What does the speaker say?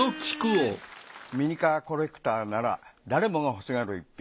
ミニカーコレクターなら誰もが欲しがる逸品。